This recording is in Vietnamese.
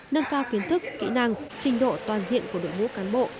nâng cao kiến thức kỹ năng trình độ toàn diện của đội ngũ cán bộ